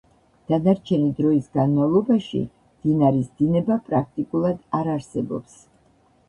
დანარჩენი დროის განმავლობაში მდინარის დინება პრაქტიკულად არ არსებობს.